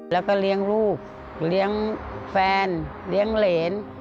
แล้วก็เลี้ยงลูกเลี้ยงแฟนเลี้ยงเหรน